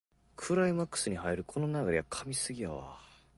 クライマックスに入るこの流れは神すぎだわ